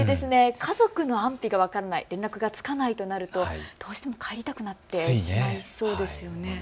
家族の安否が分からない、連絡がつかないとなるとどうしても帰りたくなってしまいますよね。